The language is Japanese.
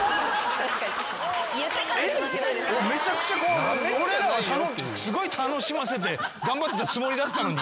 めちゃくちゃ俺らはすごい楽しませて頑張ってたつもりだったのに。